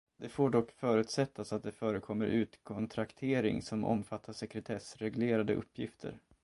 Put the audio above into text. Det får dock förutsättas att det förekommer utkontraktering som omfattar sekretessreglerade uppgifter.